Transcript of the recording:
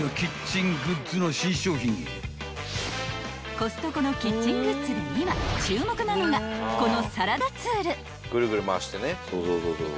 ［コストコのキッチングッズで今注目なのがこの］